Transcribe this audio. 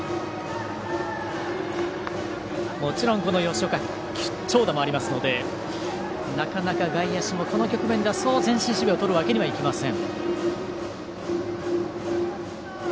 もちろん、この吉岡長打もありますのでなかなか外野手も、この局面ではそう前進守備をとるわけにはいきません。